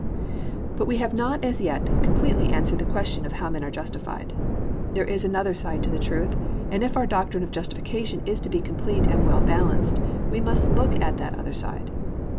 5. But we have not as yet completely answered the question of how men are justified. There is another side to the truth and if our doctrine of justification is to be complete and well balanced, we must look at that other side.